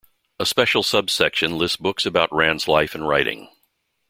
A special subsection lists books about Rand's life and writing.